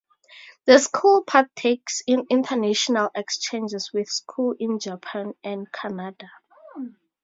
The school partakes in international exchanges with schools in Japan and Canada.